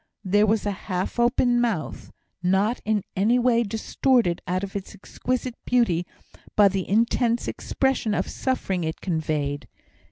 There was a half open mouth, not in any way distorted out of its exquisite beauty by the intense expression of suffering it conveyed.